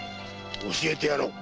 教えてやろう。